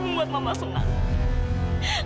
membuat mama senang